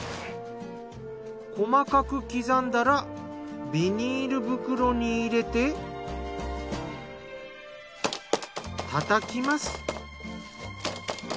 細かく刻んだらビニール袋に入れて叩きます。